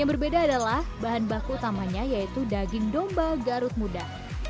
yang berbeda adalah bahan baku utamanya yaitu daging domba garut muda